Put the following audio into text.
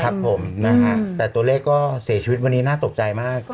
ครับผมนะฮะแต่ตัวเลขก็เสียชีวิตวันนี้น่าตกใจมาก